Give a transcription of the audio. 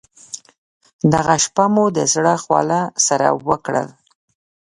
دغه شپه مو د زړه خواله سره وکړل.